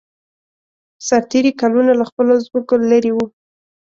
سرتېري کلونه له خپلو ځمکو لېرې وو.